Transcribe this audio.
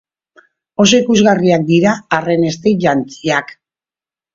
Oso ikusgarriak dira arren eztei-jantziak.